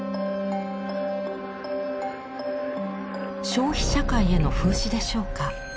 消費社会への風刺でしょうか。